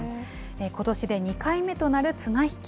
ことしで２回目となる綱引き。